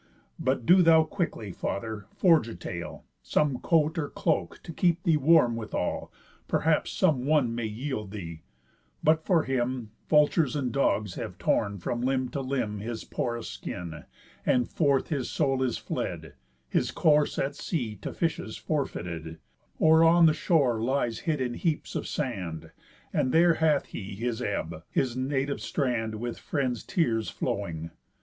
But do thou quickly, father, forge a tale, Some coat, or cloak, to keep thee warm withal, Perhaps some one may yield thee; but for him, Vultures and dogs have torn from ev'ry limb His porous skin, and forth his soul is fled, His corse at sea to fishes forfeited, Or on the shore lies hid in heaps of sand, And there hath he his ebb, his native strand With friends' tears flowing.